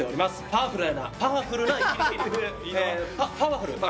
パワフル。